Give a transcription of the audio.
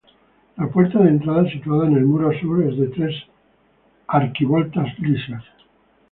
La puerta de entrada situada en el muro sur, es de tres arquivoltas lisas.